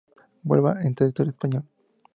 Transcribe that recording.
Vuela en Territorio Español.